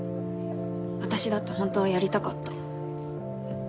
私だってほんとはやりたかった。